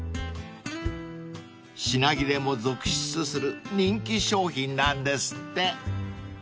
［品切れも続出する人気商品なんですって］